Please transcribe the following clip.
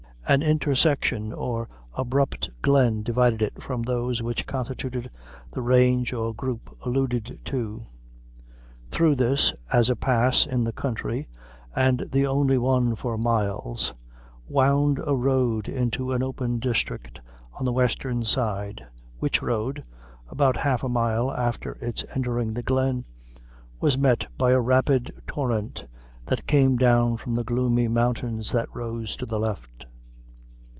An intersection or abrupt glen divided it from those which constituted the range or group alluded to; through this, as a pass in the country, and the only one for miles, wound a road into an open district on the western side, which road, about half a mile after its entering the glen, was met by a rapid torrent that came down from the gloomy mountains that rose to the left.